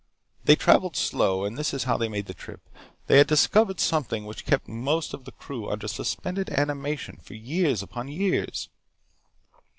They traveled slow, and this is how they made the trip. They had discovered something which kept most of the crew under suspended animation for years upon years.